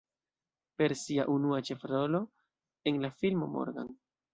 Per sia unua ĉefrolo en la filmo "Morgan.